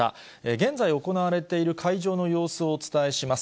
現在行われている会場の様子をお伝えします。